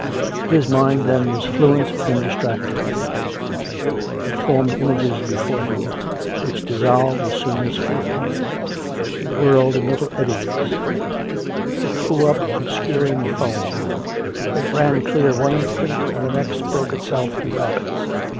His mind, then, was fluent and distracted; it formed images before him, which dissolved as soon as formed; it whirled in little eddies; it threw up obscuring foam; it ran clear one instant, and the next broke itself in rapids.